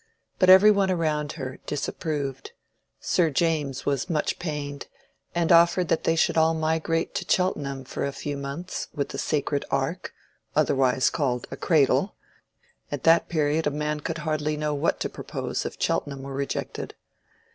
But every one around her disapproved. Sir James was much pained, and offered that they should all migrate to Cheltenham for a few months with the sacred ark, otherwise called a cradle: at that period a man could hardly know what to propose if Cheltenham were rejected.